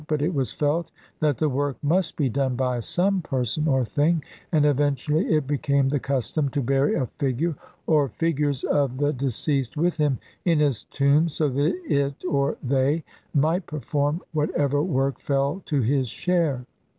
But it was felt that the work must be done by some person or thing, and eventually it became the custom to bury a figure or figures of the de CLVI INTRODUCTION. ceased with him in his tomb so that it or they might perform whatever work fell to his share.